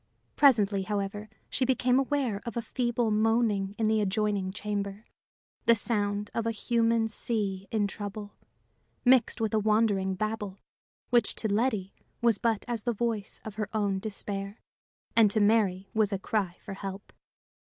Presently, however, she became aware of a feeble moaning in the adjoining chamber, the sound of a human sea in trouble mixed with a wandering babble, which to Letty was but as the voice of her own despair, and to Mary was a cry for help.